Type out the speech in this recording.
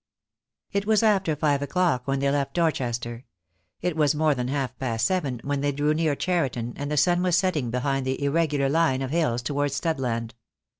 It was after five o'clock when they left Dorchester. It was more than half past seven when they drew near THE DAY WILL COME. 69 Cheriton, and the sun was setting behind the irregular line of hills towards Studland.